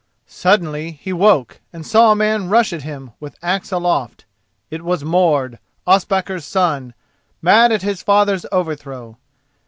Suddenly he woke and saw a man rush at him with axe aloft. It was Mord, Ospakar's son, mad at his father's overthrow.